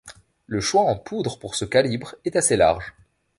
Le choix en poudre pour ce calibre est assez large.